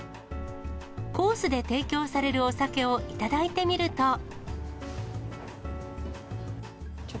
コースで提供されるお酒を頂いてみると。